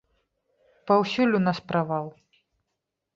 Паўсюль у нас правал!